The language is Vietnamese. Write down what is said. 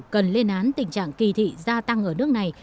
cần lên án tình trạng kỳ thị gia tăng ở nước này